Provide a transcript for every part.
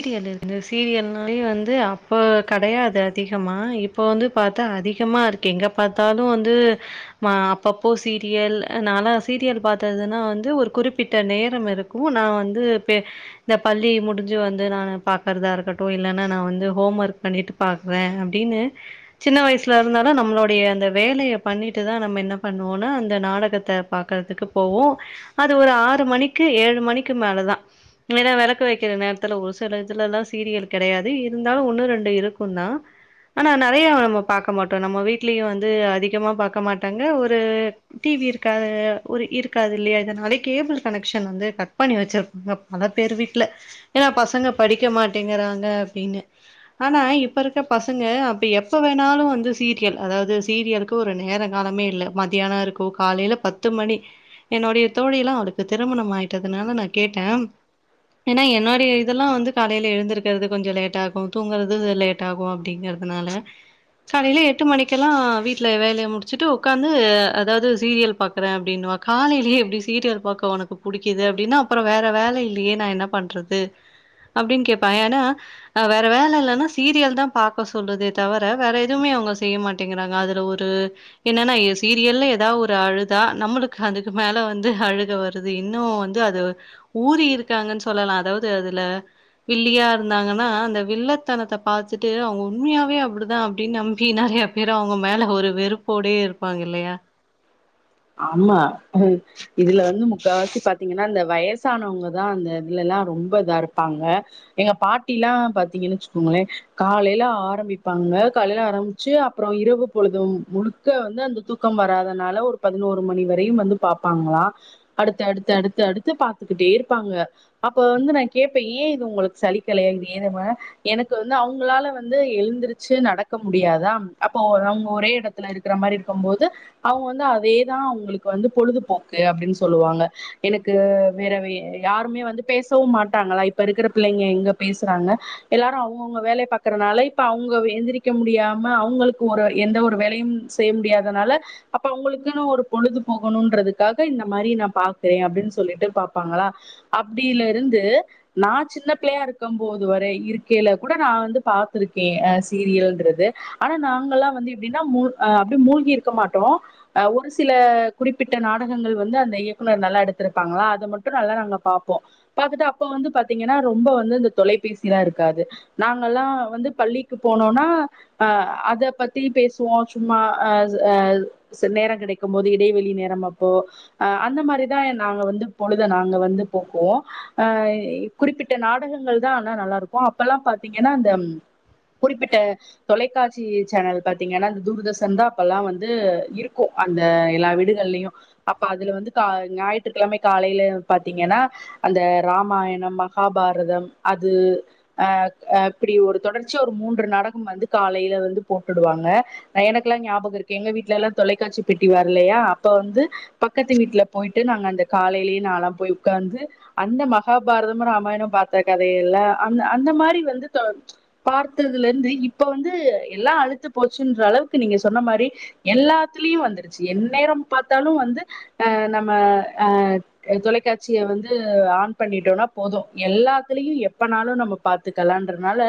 க்கு எடு சீரியல்னாலே வந்து அப்போ கெடையாது அதிகமா இப் இப்போ வந்து பாத்தா அதிகமா இருக்கு எங்க பாத்தாலு வந்து மா அப்பப்போ சீரியல் நால சீரியல் பத்தாதுன்னா வந்து ஒரு குறிப்பிட்ட நேரம் இருக் கு நா வந்து பே இந்த பள்ளி முடிஞ் ஞ்சி வந்து நானு பாக்கறதா இருக்கட்டு இல்லன்னா நா வந்து ஹோம் ஒர்க் பண்ணிட்டு பாக்குறே அப்டின்னு சின்ன வயசுல இருந்தாலு நம்மளுடைய அந்த வேலைய பண்ணிட்டு தா நம்ம என்ன பண்ணுவோனா அந்த நாடகத்த பாக்கறதுகு போவோ அது ஒரு ஆறு மணிக்கு ஏழு மணிக்கு மேலதா நீதா விழக்கு வைக்கிற நேரத் த்துல ஒரு சில இதுலெல்லா சீரியல் கெடையாது இருந்தாலு ஒன்னு ரெண்டு இருக்கு தா ஆனா நெறையா நம்ம பாக்கமாட்டோ நம்ம வீட்லியு வந்து அதிகமா பாக்க மாட்டாங்க ஒரு டிவி இருக்காது ஒரு இருக்காது இல்லையா இதனாலே கேபிள் கனெக்ஷன் வந்து கட் பண்ணி வச்சிருப்பங்க பலபேர் வீட்ல ஏன்னா பசங்க படிக்க மாட்டேங்கிறாங்க அப்டின்னு ஆனா இப்ப இருக்க பசங்க அப்ப எப்ப வேணாலு வந்து சீரியல் அதாவது சீரியல் க்கு ஒரு நேர காலமே இல்ல மதியான இருக்கு காலைல பத்து மணி என்னோடைய தோழி எல்லா அவளுக்கு திருமணம் ஆயிட்டதுனால நா கேட்டே ஏன்னா என் டை இதெல்லா வந்து காலையில எழுந்திருக்கிறது கொஞ்ச லேட் ஆகு தூங்குறது லேட் ஆகு அப்டிங்கறதுனால காலையில எட்டு மணிக்கெல்லா வீட்ல வேலைய முடிச்சுட்டு உக்காந்து அதாவது சீரியல் பா க்கற அப்டின்னுவா காலைலியே எப்டி சீரியல் பாக்க ஒனக்கு புடிக்குது அப்பிடினா அப்புறோ வேற வேலை இல்லியே நா என்ன பண்றது அப்டின் கேப்பா ஏன்னா ஆ வேற வேல இல்லன்னா சீரியல் தா பாக்க சொல்லுதே தவிர வேற எதுவுமே அவங்க செய்யமாட் ட்டேங்கறாங்க அதுல ஒரு என்னன்னா எ சீரியல்னு எதா ஒரு அழுதா நம்மளுக்கு அதுக்கு மேல வந்து அழுக வரு ட்டது இன்னு வந்து அது ஊறி இருக்காங்கன் சொல்லா அதாது அதுல வில்லியா இருந்தாங்கன்னா அந்த வில்லத்தனத்த பாத்துட்டு அவுங்க உண்மையாவே அப்டிதா அப்டின் நம்பி நெறைய பேற அவுங்க மேல ஒரு வெறுப்போடே இருப்பாங்க இல்லயா ஆமா இதுல வந்து முக்கா வாசி பா த்திங்கன்னா அந்த வயசானவங்கதா அந்த இதுல எல்லா ரொம்ப இதா இருப்பாங்க எங்க பாட்டில்லா பாத்தீங்கன்னு வச்சுகோங்களே காலையில ஆரம்பிப்பாங்க காலையில ஆரம் ச்சி அப்புறோ இரவு பொழுது முழுக்க வந்து அந்த தூக்க வராதனால ஒரு பதினோரு மணி வரையு வந்து பாப்பாங்களா அடுத்து அடுத்து அடுத்து அடுத்து பாத்துக்கிட்டே இருப்பாங்க அப்ப வந்து நா கேப்பே ஏ இது ஒங்களுக்கு சலிக்கலையா இது [unintelligible] எனக்கு வந்து அவங்களால வந்து எழுந்துருச்சு நடக்க முடியாதா அப்போ அவ அவங்க ஒரே எடத் துல இருக்கிற மாரி இருக்கும்போது அவங்க வந்து அதேதா அவங்களுக்கு வந்து பொழுதுபோக்கு அப்டின்னு சொல்லுவாங்க எனக்கு வேற வே யாருமே வந்து பேசவு மாட்டாங்களா இப்ப இருக்கிற பிள்ளைங்க எங்க பேசுறாங்க எல்லாரு அவங்கவுங்க வேலய பாக்கறனால இப்ப அவங்க எந்திரிக்க முடியாம அவங்களுக்கு ஒரு எந்த ஒரு வேலையு செய்ய முடியாதனால அப்ப ஒங்களுக்கு குனு ஒரு பொழுது போகணுன்றதுக்காக இந்த மாரி நா பாக்குறே அப்டின்னு சொல்லிட்டு பாப்பாங்களா அப்டியிலருந்து நா சின்ன பிள்ளையா இருக்கு போது வரை இருக்கையில கூட நா வந்து பாத்ருக்கே அ சீரியல்ன்றது ஆனா நாங்கல்லா வந்து எப்டின்னா மூ அப்டி மூழ்கி இருக்க மாட்டோ அ ஒரு சில குறிப்பிட்ட நாடகங்கள் வந்து அந்த இயக்குனர் நல்லா எடுத்திருப்பாங்களா அத மட்டு நல்லா நாங்க பார்ப்போ பாத்துட்டு அப்ப வந்து பாத்தீங்கன்னா ரொம்ப வந்து இந்த தொலைபேசிலா இருக்காது நாங்கல்லா வந்து பள்ளிக்கு போனோனா ஆ அத பத்தி பேசுவோ சும்மா அ அ ச நேரோ கிடைக்கும்போது இடைவேளி நேரமப்போ ஆ அந்த மாரிதா நாங்க வந்து பொழுது நாங்க வந்து போக்குவோ ஆ குறிப்பிட்ட நாடகங்கள் தா ஆனா நல்லா இருக்கு அப்பல்லா பாத்தீங்கன்னா அந்த குறிப்பிட்ட தொலைக்காட்சி சேனல் பாத்தீங்கன்னா இந்த தூர்தர்ஷன்தா அப்பல்லா வந்து இருக்கு அந்த எல்லா வீடுகள்ளையு அப்ப அதுல வந்து கா ஞாயிற்றுக்கிழமை காலையில பாத்தீங்கன்னா அந்த ராமாயணம் மகாபாரதம் அது ஆ ஆ இப்டி ஒரு தொடர்ச்சியா ஒரு மூன்று நாடகம் வந்து காலையில வந்து போட்டுடுவாங்க எனக்குல்லா ஞாபக இருக்கு எங்க வீட்டுலெல்லா தொலைக்காட்சி பெட்டி வரலையா அப்ப வந்து பக்கத்து வீட்டுல போயிட்டு நாங்க அந்த காலையிலியே நாலா போய் உக்காந்து அந்த மகாபாரதம் ராமாயணம் பாத்த கதையெல்ல அந்த அந்த மாரி வந்து த பார்த்ததுல இருந்து இப்ப வந்து எல்லா அலுத்து போச்சுன்ற அளவுக்கு நீங்க சொன்ன மாரி எல்லாத்துலயு வந்துருச்சு என் நேரோ பாத்தாலு வந்து ஆ நம்ம ஆ தொலைக்காட்சிய வந்து ஆன் பண்ணிட்டோம்னா போது எல்லாத்துலயு எப்பனாலு நம்ம பாத்துக்கலான்றதுனால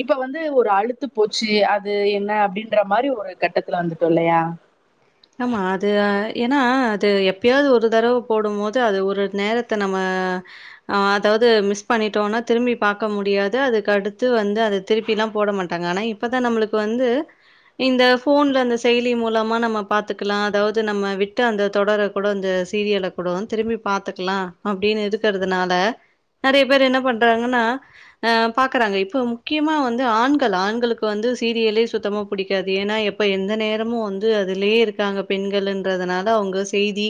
இப்ப வந்து ஒரு அலுத்து போச்சு அது என்ன அப்டின்ற மாரி ஒரு கட்டத்துல வந்துட்டோ இல்லயா ஆமா அது ஆ ஏனா அது எப்பயாது ஒரு தடவை போடும் போது அது ஒரு நேரத்த நம்ம அதாவ்து மிஸ் பண்ணிடோனா திரும்பி பாக்க முடியாது அதுக்கடுத்து வந்து அது திருப்பிலா போட மாட்டாங்க ஆனா இப்பதா நம்ளுக்கு வந்து இந்த போன்ல இந்த செயலி மூலமா நம்ம பாத்துக்குலா அதாவது நம்ம விட்ட அந்த தொடர கூட அந்த சீரியல கூடோதா திரும்பி பாத்துக்குலா அப்டின்னு இருக்குறதுனால நெறைய பேர் என்ன பண்றாங்கனா ஆ பாக்கறாங்க இப்ப முக்கியமா வந்து ஆண்கள் ஆண்களுக்கு வந்து சீரியலே சுத்தமா புடிக்காது ஏனா எப் ப்ப எந்த நேரமு வந்து அதுலயே இருக்காங்க பெண்களுன்றதுனால அவுங்க செய்தி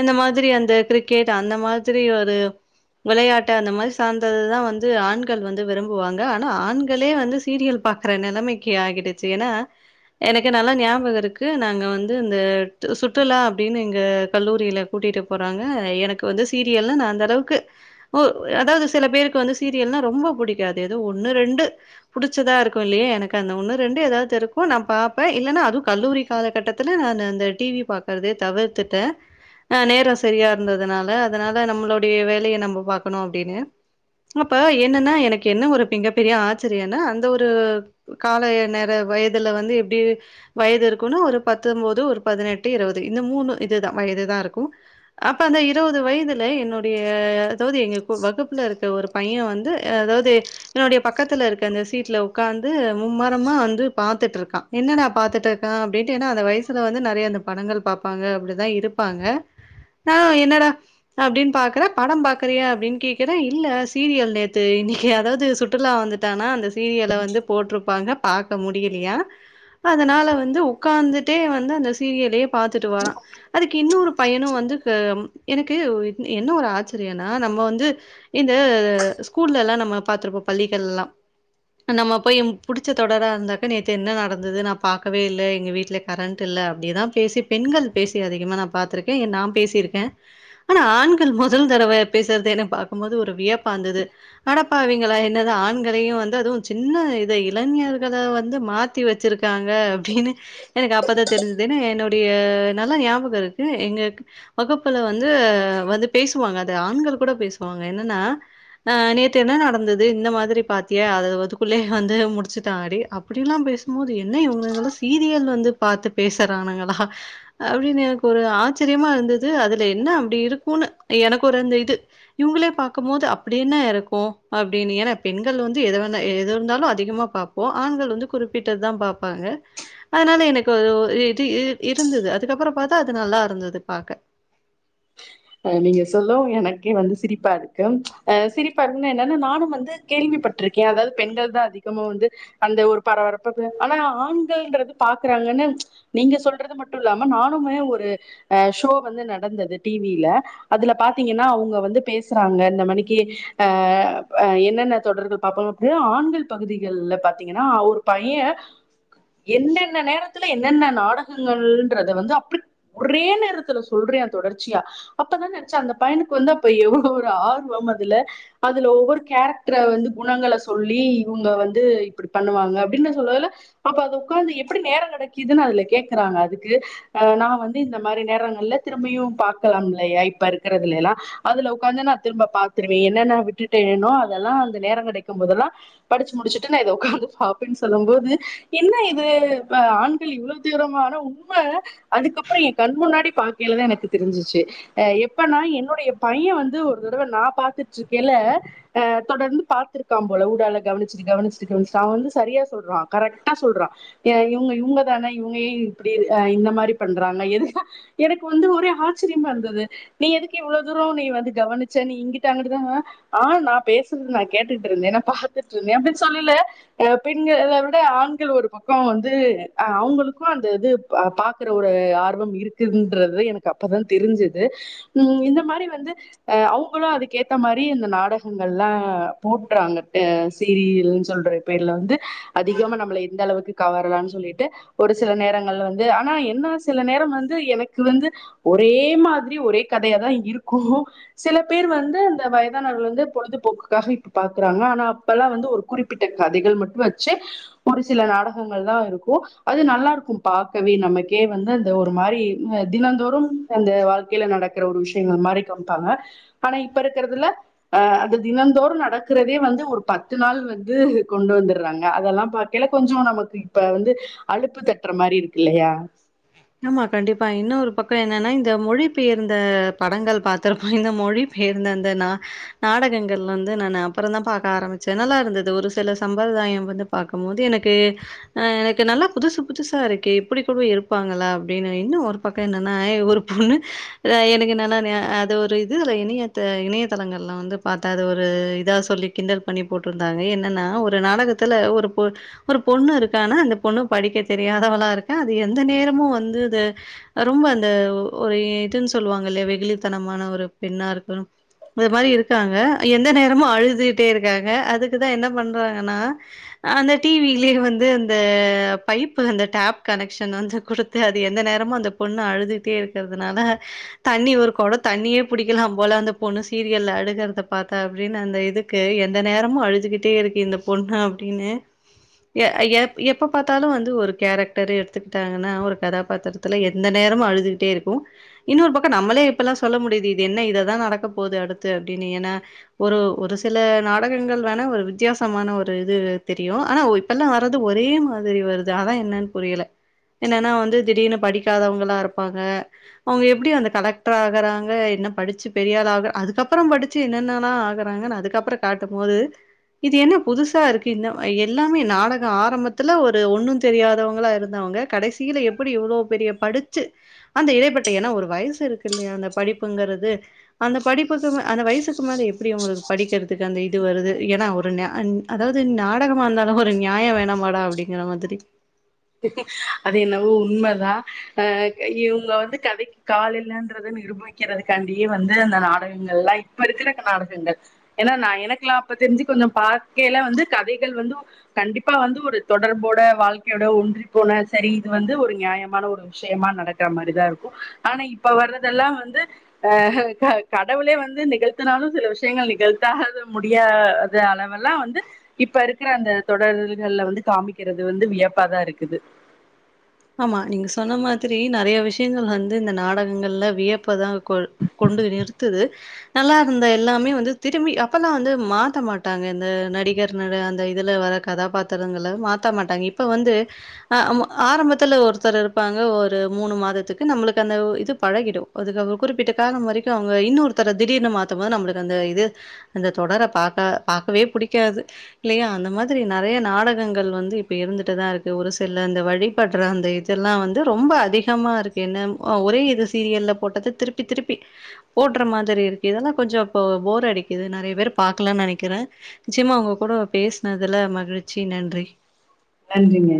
இந்த மாதிரி அந்த கிரிக்கெட் அந்த மாதிரி ஒரு வெளையாட்டு அந்த மாதிரி சார்ந்ததுதா வந்து ஆண்கள் வந்து விரும்புவாங்க ஆனா ஆண்களே வந்து சீரியல் பா க்கற நெலமைக்கு ஆகிடுச்சு ஏன்னா எனக்கு நல்லா ஞாபகோ இருக்கு து நாங்க வந்து இந்த சு சுற்றுலா அப்டின்னு எங்க கல்லூரியில கூட்டிட்டு போறாங்க எனக் கு வந்து சீரியல்ல நா அந்த அளவுக்கு ஓ அதாவுது சில பேருக்கு வந்து சீரியல்னா ரொம்ப புடிக்காது ஏதாது ஒன்னு ரெண்டு புடிச்சதா இருக்கு இல்லையா எனக்கு அந்த ஒன்னு ரெண்டு ஏதாவுதுருக்கு நா பாப்பே இல்லன்னா அதுவு கல்லூரிக்கு காலகட்டத்தில்ல நா அந்த டிவிய பாக்கறதே தவிர்த்துட்டே ஆ நேரோ சரியா இருந்ததுனால அதனால நம்மளுடைய வேலைய நம்ம பாக்கணு அப்படின்னு அப்ப என்னன்னா எனக்கு என்ன ஒரு மிகப்பெரிய ஆச்சரியன்னு அந்த ஒரு காலை நேர வயதுல வந்து எப்படி வயது இருக் க்ன்னா ஒரு பத்தொன்பது ஒரு பதினெட்டு இருவது இந்த மூணு இதுதா வயது தா இருக்கு அப்ப அந்த இருபது வயதுல என்னுடைய அதாவது எங்க இப்ப வகுப்புல இருக்க ஒரு பைய வந்து அ அதாவது என்னுடைய பக்கத்துல இருக்க அந்த சீட்ல உட்கார்ந்து மும்மரமா வந்து பாத்துட்டு இருக்கா என்னடா பாத்துட் இருக் க அப்படின்ட்டு ஏன்னா அந்த வயசுல வந்து நெறைய அந்த படங்கள் பாப்பாங்க அப்டிதா இருப்பாங்க ஆ என்னடா அப்படின் பாக்கற படம் பாக்கறியா அப்படின்னு கேட்கறே இல்ல சீரியல் நேத்து இன்னைக்கு அதாவது சுற்றுலா வந்துட் தானா அந்த சீரியல வந்து போட்டிருப்பாங்க பாக்க முடியலையா அதனால வ வந்து உக்காந்துட்டே வந்து அந்த சீரியலே பார்த்துட்டு வரா அதுக்கு இன்னொரு பையனு வந்து இப்ப எனக்கு என்ன ஒரு ஆச்சரியனா நம்ம வந்து இந்த ஸ்கூல்ல எல்லா நம்ம பாத்திருப்போ பள்ளிகள் எல்லா நம்ம போய் எ புடிச்ச தொடரா இருந்தாக்க நேத்து என்ன நடந்தது நா பா க்கவே இல்ல எங்க வீட்டல கரண்டு இல்ல அப்டிதா பேசி பெண்கள் பேசி அதிகமா நா பத்தருக்கேன் ஏ நா பேசியிருக்கே ஆனா ஆண்கள் முதல் தடவ பேசுறது என பாக்கும்போது ஒரு வியப்பா இருந்தது அடப்பாவீங்களா என்னத ஆண்களையு வந்து அதுவும் சின்ன இத இளைஞர்கள வந்து மாத் தி வச்சிருக்காங்க அப்டின்னு எனக்கு அப்பதா தெரிஞ்சதுன்னா என்னுடைய நல்லா ஞாபக இருக்கு எங்க வகுப்புல வந்து வந்து பேசுவாங்க அது ஆண்கள் கூட பேசுவாங்க என்னன்னா அ நேத்து என்ன நடந்தது இந்த மாரி பாத்திய அத அதுகுள்ளே வந்து முடிசிட்டாடி அப்டிலா பேசும்போது என்ன இவங்கங்க சீரியல வந்து பாத்து பேசறானுங்களா அப்டினு எனக் ஒரு ஆச்ரியமா இருதது அதுல என்ன அப்டி இருகுனு எனக் ஒரு அந்த இது இவங்களே பாக்கு போது அப்டி என்ன இருக்கு அப்டினு ஏனா பெண்கள் வந்து எத வேணா எத இருதாலு அதிகமா பாப் போ ஆண்கள் வந்து குறிபிட்டது தா பாபாங்க அதனால எனக் அது ஒரு இது இருந்தது அதுகப்பறம் பாத்தா அது நல்லா இருந்தது பாக்க இப்ப நீங்க சொல்லவு எனகே வந்து சிரிபா இருக்கு ஆ சிரிபா இருக்குனா என்னா நானு வந்து கேள்விபட்டிருகே அதாவது பெண்கள் தா அதிகமா வந்து அந்த ஒரு பரபரப்பா பே ஆனா ஆண்கள்ங்கறது பாக்குறாங்கன்னு நீங்க சொல்றது மட்டு இல்லாம நானுமே ஒரு அ ஷோ வந்து நடந்தது டி இல்ல அதுல பாத்தீஙன்னா அவங்க வந்து பேசுறாங்க இத்த மணிக்கு ஆ அ என்னென்ன தொடர்கள் பாப்பாங்க அப்டினா ஆண்கள் பகுதிகள்ல பாத்தீங்கன்னா ஒரு பைய என்னென்ன நேர த்துல என்னென்ன நாடகங்கள் என்றத வந்து அப்டி ஒரே நேரத்தில சொல்றே தொடர் ச்சியா அப்பதா நெனைச்சா அந்த பையனுக்கு வந்து அப்ப எவ்ளவு ஒரு ஆர்வம் அதுல அதுல ஒவ்வொரு கேரக்டர வந்து குணங்கள சொல்லி இவுங்க வந்து இப்டி பண்ணுவாங்க அப்டினு சொல்லல அப்ப அது உக்காந்து எப்டி நேரம் கெடைக்குதுன்னு அதுல கேக்குறாங்க அதுக்கு அ நா வந்து இந்த மாரி நேரங்கள்ல திரும்பியு பாக்கலா இல்லயா இப்ப இருக்கறதுல எல்லா அதுல உக்காந்து நா திரும்ப பாத்துருவே என்னன்ன விட்டுட்டேனோ அதெல்லா அந்த நேரம் கெடைக்கும் போதெல்லா படிச்சு முடிச்சுட்டு நா இத உக்காந்து பாப்பேன்னு சொல்லு போது என்ன இது ஆண் கள் இவ்ளோ தீவிரமா உண்ம அதுக்கப்பறோ எ கண் முன்னாடி பாக்கயிலதா எனக்கு தெரிஞ்சிச்சு அ எப்பனா என்னுடைய பைய வந்து ஒரு தடவ நா பாத்துட்டு இருக்கேல அ தொடர்ந்துபாத்ருக்கா போல வூடால கவனிச்சுட்டு கவனிச்சுட்டு கவனிச்சு அவெ வந்து சரியா சொல்றா கரெக்டா சொல்றா இவுங்க இவுங்க தானே இவுங்கே ஏ இப்டி அ இந்த மாரி பண்றாங்க எது எனக்கு வந்து ஒரே ஆச்சரியமா இருந்தது நீ எதுக்கு இவ்ளவு தூரோ நீ வந்து கவனிச்ச நீ இங்கிட்டு அங்கிட்டு ஆ நா பேசுறது நா கேட்டுட்டு இருந்தே நா பாத்துட்டு இருந்தே அப்டின்னு சொல்லல ஆஹ் பெண்கள் எல்லார் விட ஆண்கள் ஒரு பக் க்கோ வந்து அவுங்களுக்கு அந்த இது பாக்குற ஒரு ஆர்வம் இருக்குன்றது எனக் இப்ப தா தெரிஞ்சுது உ இந்த மாரி வந்து அ அவுங்களு அதுக்கு ஏத்த மாரி அந்த நாடகங்கள்லா போட்றாங்கட்டு சீரியல்ன்னு சொல்ற பேர்ல வந்து அதிகமா நம்மள எந்த அளவுக்கு கவரலான்னு சொல்லிட்டு ஒரு சில நேரங்கள் வந்து ஆனா என்ன சில நேரம் வந்து எனக்கு வந்து ஒரே மாதிரி ஒரே கதையாதா இருக்கு சில பேர் வந்து அந்த வயதானவர்கள் வந்து பொழுதுபோக்குக்காக இப்ப பாக்குறாங்க ஆனா அப் அப்பல்லா வந்து ஒரு குறிப்பிட்ட கதைகள் மட்டு வச்சு ஒரு சில நாடகங்கள் தா இருக்கு அது நல்லா இருக்கு பாக்கவே நமக்கே வந்து அந்த ஒரு மாரி தினந்தோறும் அந்த வாழ்க்கையில நடக்கிற ஒரு விஷயங்கள் மாரி காமிப்பாங்க ஆனா இப்ப இருக்றதுல அ அது தினந்தோறும் நடக்குறதே வந்து ஒரு பத்து நாள் வந்து கொண்டு வந்துறாங்க அதெல்லா பா கேல்ல கொஞ்சோ நமக்கு இப்ப வந்து அழுப்பு தட்டுற மாரி இருக்கு இல்லயா ஆமா கண்டிப்பா இன்னொரு பக்கோ என்னன்னா இந்த மொழி பெயர்ந்த படங்கள் பாத்திருப்போ இந்த மொழி பேர்ந்து அந்த நா நாடகங்கள் வந்து நானு அப்றோ தா பாக்க ஆரம்பிச்சே நல்லா இருந்தது ஒரு சில சம்பர்தாயம் வந்து பாக்கும் போது எனக்கு ஆ எனக்கு நல்லா புதுசு புதுசா இருக்கு இப்டி கூட இரு ப்பாங்களா அப்டினு இன்னு ஒரு பக்கோ என்னன்னா ஒரு பொண்ணு எனக்கு என்னானா அது ஒரு இது இனி இணையதளங்கள்ல வந்து பாத்தா அது ஒரு இதா சொல்லி கிண்டல் பண்ணி போட்ருந்தாங்க என்னன்னா ஒரு நாடகத் பக்கத்துல ஒரு ஒரு பொண்ணு இருக்கானா அந்த பொண்ணு படிக்க தெரியாதவளா இருக்கா அது எத் எந்த நேரமு வந்து இது ரொம்ப அந்த ஒரு இதுன்னு சொல்லுவாங்க இல்லயா வெகுலித்தனமான ஒரு பெண்ணா இருக்கும் அது மாரி இருக்காங்க எந்த நேரமு அழுதுட்டே இருக்காங்க அதுக்குதா என்ன பண்றாங்கனா அந்த டிவிலயே வந்து அந்த பைப்பு அந்த டேப் கனெக்ட் சன் வந்து குடுத்து அது எந்த நேரமு அந்த பொண்ணு அழுதுட்டே இருக்றதுனால தண்ணி ஒரு கொட தண்ணியே புடிக்கலா போல அந்த பொண்ணு சீரியல்ல அழுகுறத பாக்க அப்டினு அந்த இது இருக்கு எந்த நேரமு அழுதுகிட்டே இருக்கு இந்த பொண்ணு அப்டின்னு எ எப்ப பாத்தாலு வந்து ஒரு கேரக்டரு எத்துக்கிட்டாங்கன்னா ஒரு கதாபாத்திரத்துல எந்த நேரமு அழுதுகிட்டே இருக்கு இன்னொரு பக்கோ நம்மளே இப்பெல்லா சொல்ல முடியுது இது என்ன இததா நடக்க போது அடுத்து அப்டின்னு ஏன்னா ஒரு ஒரு சில நாடகங்கள் வேணா ஒரு வித்தியாசமான ஒரு இது தெரியு ஆனா ஒ இப்பெல்லா வர்றது ஒரே மாதிரி வருது அதா என்னன்னு புரியல என்னன்னா வந்து திடீர்னு படிக்காதவங்களா இருப்பாங்க அவங்க எப்டி அந்த கலெக்டர் ஆகுறாங்க என்ன படிச்சு பெரியாள் ஆகுற அதுக்கப்புறோ படிச்சு ச்சு என்னன்னல்லா ஆகுறாங்கன்னு அதுக்கப்புறோ காட்டும் போது இது என்ன புதுசா இருக்கு இந்த எல்லாமே நாடகோ ஆரம்பத்துல ஒரு ஒன்னு தெரியாதவங்களா இரு இருந்தவங்க கடைசியில எப்டி இவ்ளோ பெரிய படிச்சு அந்த இடைப்பட்ட ஏன்னா ஒரு வயசு இருக்குல்லயா அந்த படிப்புங்கிறது அந்த படிப்புக்கு மே அந்த வயசுக்கு மேல எப்டி அவங்களுக்கு படிக்கிறதுக்கு அந்த இது வருது ஏன்னா ஒரு நியா அதாவ்து நாடகமா இருந்தாலு ஒரு நியாயோ வேணமாடா அப்டிங்கிற மாதிரி அது என்னவோ உண்மதா அ இவங்க வந்து கதைக்கு கால் இல்லன்றது நிரூப நெனைக்கிறதுக்காண்டி வந்த அந்த நாடகங்கள் எல்லா இப்ப இருக்கிற காரணங்கள் ஏன்னா நா எனக்லா அப்ப தெரிஞ்சு கொஞ்சம் பாக்கைல வந்து கதைகள் வந்து கண்டிப்பா வந்து ஒரு தொடர்போட வாழ்க்கையோட ஒன்றி போன சரி இது வந்து ஒரு நியாயமான ஒரு விஷயமா நடக்கற மாரிதா இருக்கும் ஆனா இப்ப வர்றதெல்லா வந்து அ கடவுளே வந்து நிகழ்த்தினாலும் சில விஷயங்கள் நிகழ்த்தாது முடியா த அளவெல்லா வந்து இப்ப இருக்கிற அந்த தொடர்கள்ல வந்து காமிக்கிறது வந்து வியப் பாக இருக்குது ஆமா நீங்க சொன்ன மாதிரி நெறைய விஷயங்கள் வந்து இந்த நாடகங்கள்ல வியப்பாதா கொள் கொண்டு நிறுத்துது நல்லா இருந்த எல்லாமே வந்து திரும்பி அப்பல்லா வந்து மாத்த மாட்டாங்க இந்த நடிகர் அந்த இதுல வர கதாபாத்திரங்கள மாத்த மாட்டாங்க இப்ப வந்து ஆரம்பத் துல ஒருத்தர் இருப்பாங்க ஒரு மூணு மாதத்துக்கு நம்ளுக்கு அந்த இது பழகிடும் அதுக்காக குறிப்பிட்ட காலம் வரைக் இருப்பாங்க இன்னொருத்தர திடீர்னு மாத்தும்போது நம்ளுக்கு அந்த இது அந்த தொடர பாக்க பாக்கவே புடிக்காது இல்லையா அந்த மாதிரி நெறைய நாடகங்கள் வந்து இப்ப இருந்துட்டுதா இருக்கு ஒரு சில அந்த வழி பட்ற அந்த இதெல்லா வந்து ரொம்ப அதிகமா இருக்கு என்ன ஒரே இது சீரியல்ல போட்டத திருப்பி திருப்பி போட்ற மாதிரி இருக்கு இதெல்லா கொஞ்சம் இப்ப போர் அடிக்குது நெறைய பேர் பாக்கலன் நெனைக்கிற நிச்யமா உங்க கூட பேசுனதுல மகிழ்ச்சி நன்றி நன்றிங்க